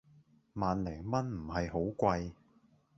萬零蚊唔係好貴